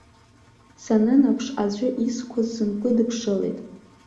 Санынаԥш, аӡәы изқәа сынкыдыԥшылеит.